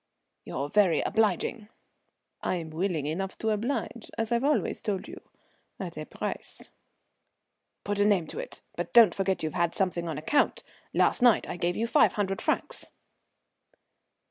"You're very obliging." "I'm willing enough to oblige, as I've always told you at a price." "Put a name to it; but don't forget you've had something on account. Last night I gave you five hundred francs."